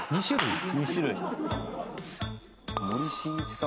２種類。